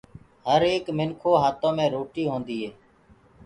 هر ايڪ منکِو هآتو مي روٽي هوندي هي